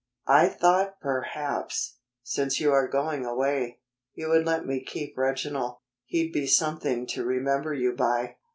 "I thought perhaps, since you are going away, you would let me keep Reginald. He'd be something to remember you by."